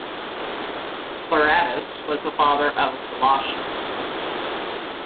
Pleuratus was the father of Glaucias.